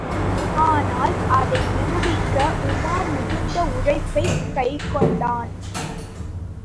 ஆனால் அதை நிரூபிக்க உமார் மிகுந்த உழைப்பைக் கைக்கொண்டான்.